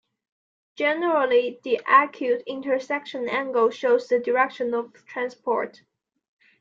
Generally, the acute intersection angle shows the direction of transport.